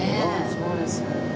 そうです。